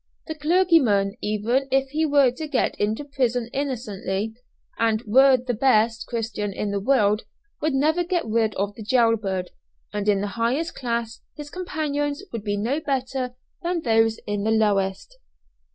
The clergyman, even if he were to get into prison innocently, and were the best Christian in the world, would never get rid of the jail bird; and in the highest class his companions would be no better than those in the lowest.